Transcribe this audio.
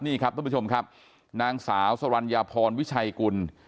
นี่ครับท่านผู้ชมครับนางสาวสรรญาพรวิชัยกุล